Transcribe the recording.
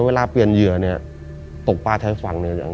เวลาเปลี่ยนเหยื่อเนี่ยตกปลาท้ายฝั่งเนี่ย